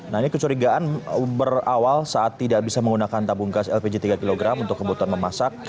nah ini kecurigaan berawal saat tidak bisa menggunakan tabung gas lpg tiga kg untuk kebutuhan memasak